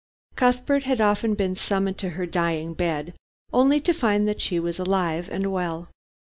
Cuthbert had often been summoned to her dying bed, only to find that she was alive and well.